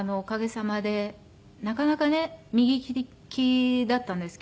なかなかね右利きだったんですけども。